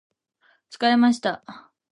疲れました